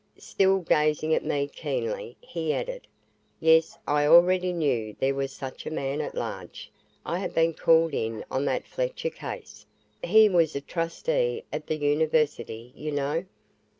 Still gazing at me keenly, he added, "Yes, I already knew there was such a man at large. I have been called in on that Fletcher case he was a trustee of the University, you know."